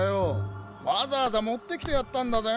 わざわざ持ってきてやったんだぜ。